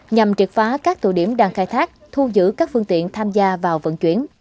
nhằm triệt phá các tụ điểm đang khai thác thu giữ các phương tiện tham gia vào vận chuyển